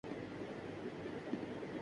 جماعتیں تو ان کی خادم ہیں۔